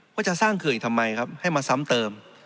ว่าจะสร้างเขื่อนยังทำไมให้มาซ้ำเติม